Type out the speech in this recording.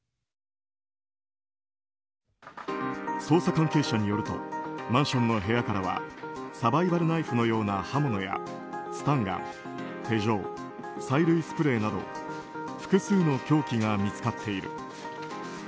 捜査関係者によるとマンションの部屋からはサバイバルナイフのような刃物やスタンガン、手錠催涙スプレーなど複数の凶器が見つかっている。